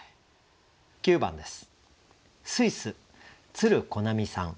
９番です。